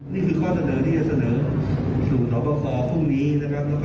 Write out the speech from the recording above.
นี่คือข้อเสนอที่จะเสนอสู่สอบประคอพรุ่งนี้นะครับ